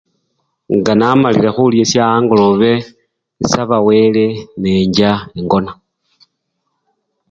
Nga namalile khulya sye-angolobe isaba wele nencha nengona.